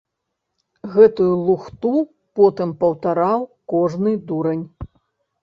Гэтую лухту потым паўтараў кожны дурань!